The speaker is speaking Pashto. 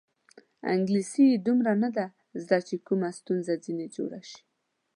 انګلیسي یې دومره نه ده زده چې کومه ستونزه ځنې جوړه شي.